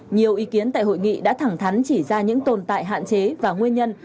nhiều ý kiến tại hội nghị đã thẳng thắn chỉ ra những tồn tại hạn chế và nguyên nhân